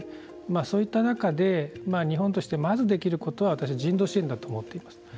そういった中で日本としてまずできることは私は人道支援だと思っています。